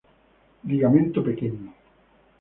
Ligamento pequeño.